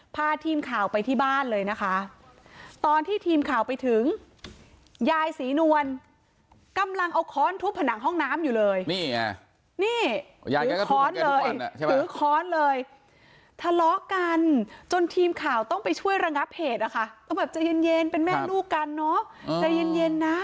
พาทีมข่าวไปที่บ้านเลยนะคะตอนที่ทีมข่าวไปถึงยายสีนวลกำลังเอาค้อนทุบผนังห้องน้ำอยู่เลย